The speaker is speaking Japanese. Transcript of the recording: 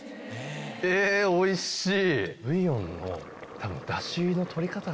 えおいしい！